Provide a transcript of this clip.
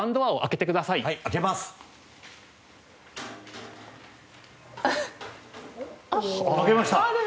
開けました！